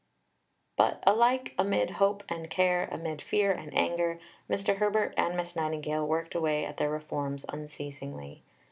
But alike amid hope and care, amid fear and anger, Mr. Herbert and Miss Nightingale worked away at their reforms unceasingly.